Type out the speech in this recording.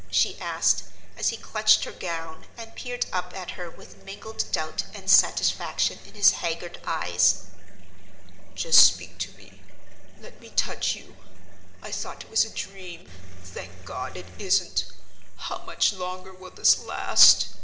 she asked, as he clutched her gown, and peered up at her with mingled doubt and satisfaction in his haggard eyes. "Just speak to me; let me touch you: I thought it was a dream; thank God it isn't. How much longer will this last?"